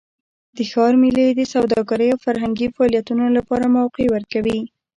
د ښار میلې د سوداګرۍ او فرهنګي فعالیتونو لپاره موقع ورکوي.